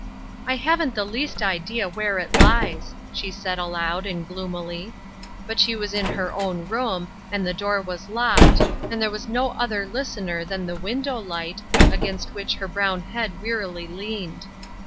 " I haven't the least idea where it lies," she said aloud, and gloomily. But she was in her own room, and the door was locked, and there was no other listener than the window light, against which her brown head wearily leaned.